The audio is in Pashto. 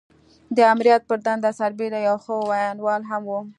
د آمريت پر دنده سربېره يو ښه ويناوال هم و.